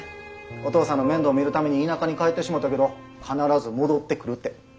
お父さんの面倒見るために田舎に帰ってしもたけど必ず戻ってくるて。